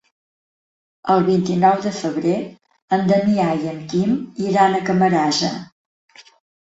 El vint-i-nou de febrer en Damià i en Quim iran a Camarasa.